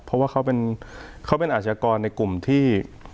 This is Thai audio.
เพราะว่าเขาเป็นอาชกรในกลุ่มที่